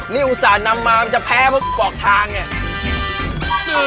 นี่อุตสานยนต์นำมามันจะแพ้เพราะเขาปลอกทางเนี่ย